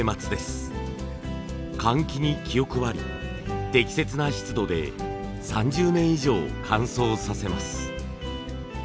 換気に気を配り適切な湿度で３０年以上乾燥させます。